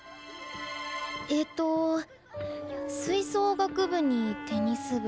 えと吹奏楽部にテニス部演劇部。